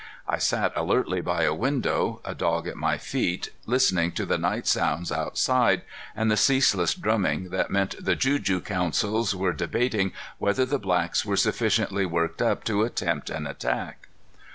I sat alertly by a window, a dog at my feet, listening to the night sounds outside and the ceaseless drumming that meant the juju councils were debating whether the blacks were sufficiently worked up to attempt an attack.